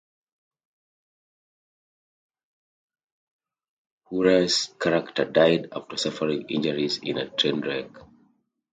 Wuhrer's character died after suffering injuries in a train wreck.